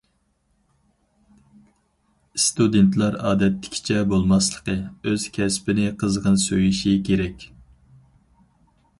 ئىستۇدېنتلار ئادەتتىكىچە بولماسلىقى، ئۆز كەسپىنى قىزغىن سۆيۈشى كېرەك.